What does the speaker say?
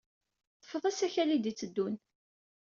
Ḍḍfet asakal ay d-yetteddun.